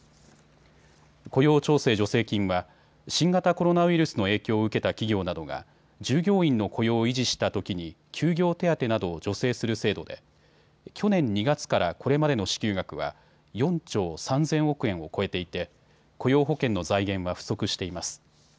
雇用調整助成金は新型コロナウイルスの影響を受けた企業などが従業員の雇用を維持したときに休業手当などを助成する制度で去年２月からこれまでの支給額は４兆３０００億円を超えていて雇用保険の財源は不足しています。